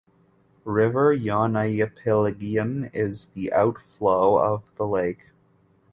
River Yonaypilgyn is the outflow of the lake.